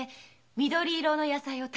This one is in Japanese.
「緑色の野菜」？